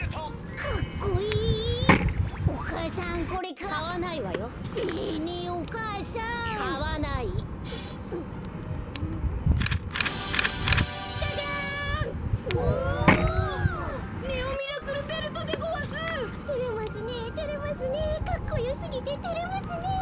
かっこよすぎててれますねえ。